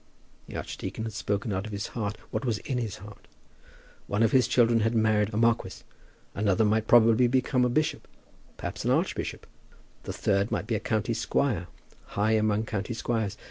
The archdeacon had spoken out of his heart what was in his heart. One of his children had married a marquis. Another might probably become a bishop, perhaps an archbishop. The third might be a county squire, high among county squires.